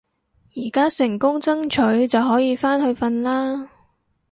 而家成功爭取就可以返去瞓啦